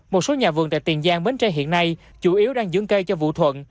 một số nhà vườn tại tiền giang bến tre hiện nay chủ yếu đang dưỡng cây cho vũ thuận